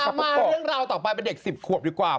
ปรากฏเรื่องราวต่อไปเป็นเด็ก๑๐ขวบดีกว่า